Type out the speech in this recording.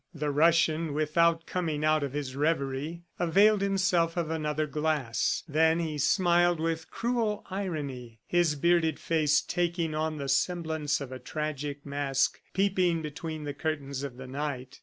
The Russian, without coming out of his revery, availed himself of another glass. Then he smiled with cruel irony, his bearded face taking on the semblance of a tragic mask peeping between the curtains of the night.